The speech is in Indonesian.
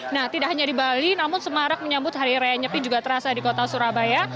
nah tidak hanya di bali namun semarak menyambut hari raya nyepi juga terasa di kota surabaya